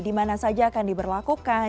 dimana saja akan diberlakukan